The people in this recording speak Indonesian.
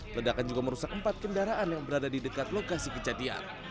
ledakan juga merusak empat kendaraan yang berada di dekat lokasi kejadian